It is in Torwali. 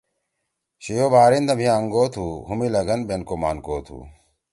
شیو بحرین دا مھی آنگو تُھو، ہُم ئی لگن، بینکو مانکو تُھو